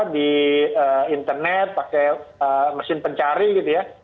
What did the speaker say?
di internet pakai mesin pencari gitu ya